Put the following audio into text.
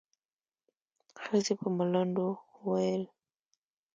ښځې په ملنډو وويل.